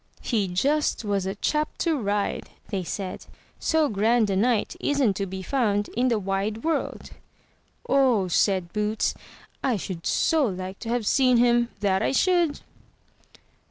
"He just was a chap to ride!" they said, "so grand a knight isn't to be found in the wide world." "Oh!" said Boots, "I should so like to have seen him; that I should."